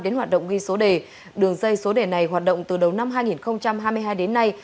đến hoạt động ghi số đề đường dây số đề này hoạt động từ đầu năm hai nghìn hai mươi hai đến nay